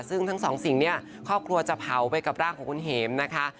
ซึ่งทั้งสองสิ่งเนี่ยครอบครัวจะเผาไปกับร่างของคุณเห็มนะคะ